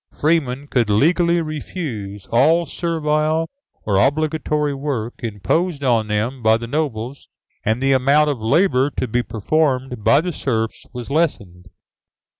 Freemen could legally refuse all servile or obligatory work imposed on them by the nobles, and the amount of labour to be performed by the serfs was lessened.